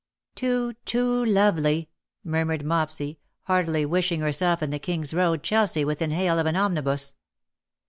^' Too, too lovely/^ murmured Mopsy, heartily wishing herself in the King's Road, Chelsea, within hail of an omnibus.